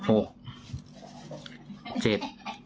โอ้โฮ